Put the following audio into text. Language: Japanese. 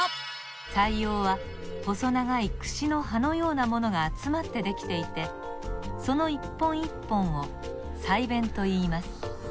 鰓葉は細長いくしの歯のようなものがあつまってできていてこの一本一本を鰓弁といいます。